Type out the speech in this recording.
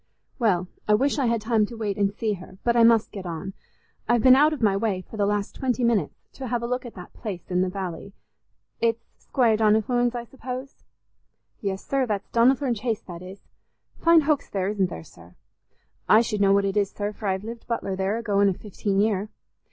"Well, I wish I had time to wait and see her, but I must get on. I've been out of my way for the last twenty minutes to have a look at that place in the valley. It's Squire Donnithorne's, I suppose?" "Yes, sir, that's Donnithorne Chase, that is. Fine hoaks there, isn't there, sir? I should know what it is, sir, for I've lived butler there a going i' fifteen year.